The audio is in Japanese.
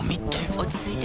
落ち着いて。